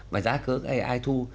mà giá cước ai thu